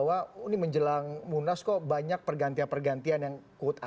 waktu itu kita putarkan lagi yuk